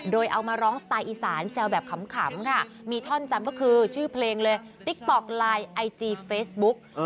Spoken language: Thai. โดยเอามาร้องสไตล์อีสานแซวแบบขำค่ะมีท่อนจำก็คือชื่อเพลงเลยติ๊กต๊อกไลน์ไอจีเฟซบุ๊ก